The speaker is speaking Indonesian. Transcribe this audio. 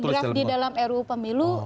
draft di dalam ruu pemilu